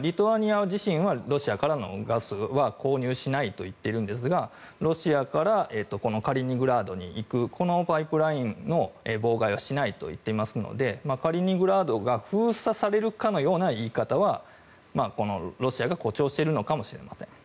リトアニア自身はロシアからのガスは購入しないと言っているんですがロシアからカリーニングラードに行くこのパイプラインの妨害はしないと言っていますのでカリーニングラードが封鎖されるかのような言い方はロシアが誇張しているのかもしれません。